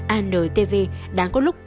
antv đã có lúc cố gắng